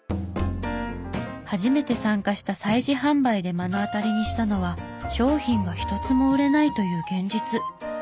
初めて参加した催事販売で目の当たりにしたのは商品が一つも売れないという現実。